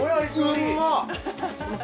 うんまっ！